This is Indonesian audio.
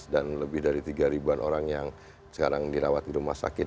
dan lebih dari tiga ribuan orang yang sekarang dirawat di rumah sakit